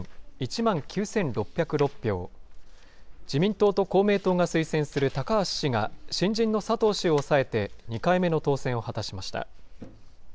自民党と公明党が推薦する高橋氏が、新人の佐藤氏を抑えて、２回目の当選を果たしました。